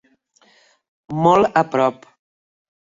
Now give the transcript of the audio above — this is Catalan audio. Molt a prop.